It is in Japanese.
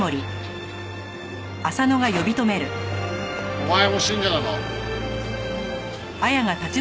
お前も信者なの？